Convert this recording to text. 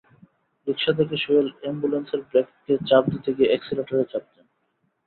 রিকশা দেখে সোহেল অ্যাম্বুলেন্সের ব্রেকে চাপ দিতে গিয়ে এক্সেলেটরে চাপ দেন।